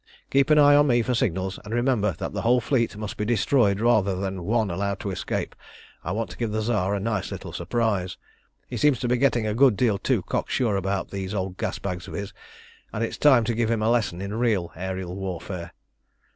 "Keep an eye on me for signals, and remember that the whole fleet must be destroyed rather than one allowed to escape. I want to give the Tsar a nice little surprise. He seems to be getting a good deal too cock sure about these old gas bags of his, and it's time to give him a lesson in real aërial warfare."